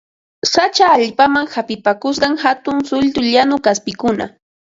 Sacha allpaman hapipakusqan hatun suytu llañu kaspikuna